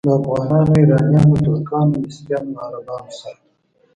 له افغانانو، ایرانیانو، ترکانو، مصریانو او عربانو سره.